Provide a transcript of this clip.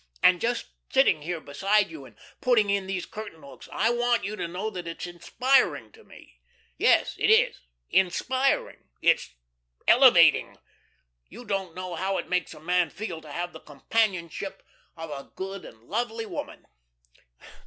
And just sitting here beside you and putting in these curtain hooks, I want you to know that it's inspiring to me. Yes, it is, inspiring; it's elevating. You don't know how it makes a man feel to have the companionship of a good and lovely woman."